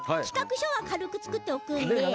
企画書は軽く作っておくんで。